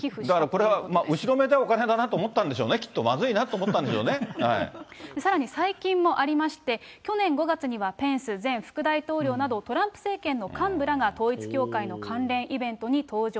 だから、これは後ろめたいお金だなと思ったんでしょうね、きっとね、まずさらに、最近もありまして、去年５月には、ペンス前副大統領など、トランプ政権の幹部らが統一教会の関連イベントに登場。